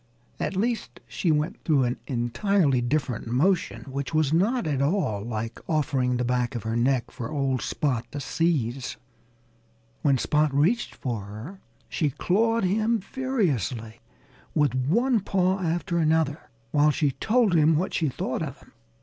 At least, she went through an entirely different motion, which was not at all like offering the back of her neck for old Spot to seize. When Spot reached for her she clawed him furiously, with one paw after another, while she told him what she thought of him.